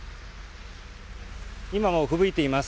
今もふぶいています。